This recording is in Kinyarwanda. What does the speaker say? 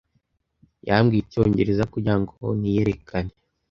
Yambwiye icyongereza kugirango niyerekane.